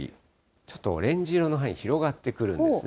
ちょっとオレンジ色の範囲、広がってくるんですね。